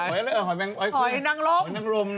หอยนังลม